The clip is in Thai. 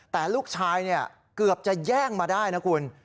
แต่ลูกชายเกือบจะแย่งมาได้นะคุณ